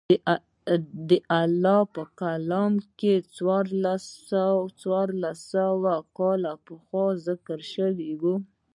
د الله په کلام کښې څوارلس سوه کاله پخوا ذکر سوي وو.